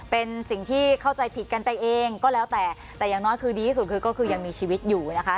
เป็นสิ่งที่เข้าใจผิดกันไปเองก็แล้วแต่แต่อย่างน้อยคือดีที่สุดคือก็คือยังมีชีวิตอยู่นะคะ